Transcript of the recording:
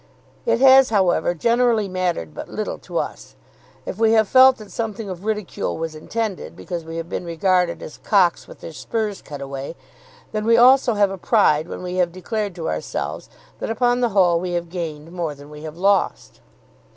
It has, however, generally mattered but little to us. If we have felt that something of ridicule was intended, because we have been regarded as cocks with their spurs cut away, then we also have a pride when we have declared to ourselves that upon the whole we have gained more than we have lost.